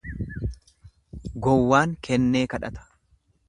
Gowwaan kennee kadhata.